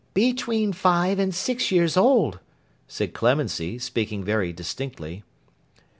'Between five and six years old,' said Clemency; speaking very distinctly.